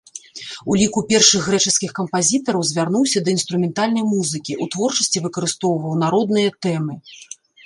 У ліку першых грэчаскіх кампазітараў звярнуўся да інструментальнай музыкі, у творчасці выкарыстоўваў народныя тэмы.